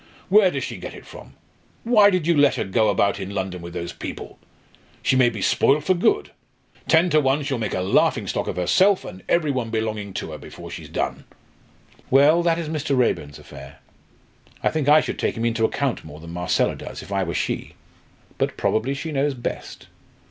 Where does she get it from? Why did you let her go about in London with those people? She may be spoilt for good. Ten to one she'll make a laughing stock of herself and everybody belonging to her, before she's done." "Well, that is Mr. Raeburn's affair. I think I should take him into account more than Marcella does, if I were she. But probably she knows best."